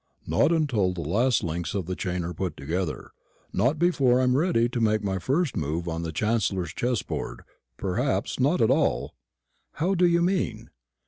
"Not until the last links of the chain are put together. Not before I'm ready to make my first move on the Chancellor's chessboard. Perhaps not at all." "How do you mean?"